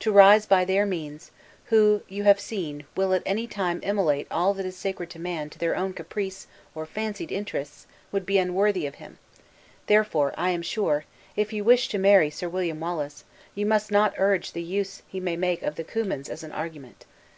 To rise by their means, who, you have seen, will at any time immolate all that is sacred to man to their own caprice, or fancied interests, would be unworthy of him; therefore, I am sure, if you wish to marry Sir William Wallace, you must not urge the use he may make of the Cummins as an argument.